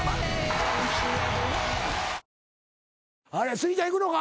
スギちゃんいくのか？